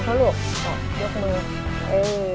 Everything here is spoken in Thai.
ยกงานนี้สามารถไช่ในประเภทให้ด้วยครับ